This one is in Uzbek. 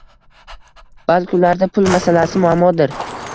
Balki ularda pul masalasi muammodir.